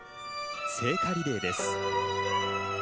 聖火リレーです。